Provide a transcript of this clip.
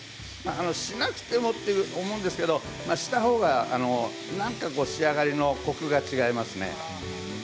しなくてもと思うけどしたほうがなんか仕上がりのコクが違いますね。